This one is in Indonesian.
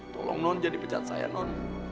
tolong non jangan dipecat saya non